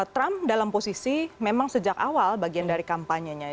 trump dalam posisi memang sejak awal bagian dari kampanyenya